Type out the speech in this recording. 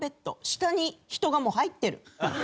下に人がもう入ってる。